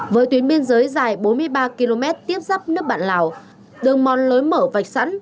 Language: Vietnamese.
với tuyến biên giới dài bốn mươi ba km tiếp giáp nước bạn lào đường mòn lối mở vạch sẵn